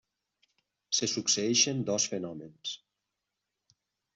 Se succeeixen dos fenòmens.